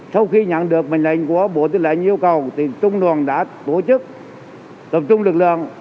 sau khi nhận được mệnh lệnh của bộ tư lệnh yêu cầu thì trung đoàn đã tổ chức tập trung lực lượng